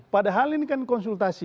padahal ini kan konsultasi